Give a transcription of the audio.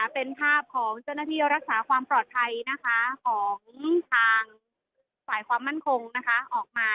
เป็นภาพของเจ้าหน้าที่รักษาความปลอดภัยของทางฝ่ายความมั่นคงออกมา